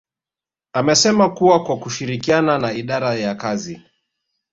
amesema kuwa kwa kushirikiana na idara ya kazi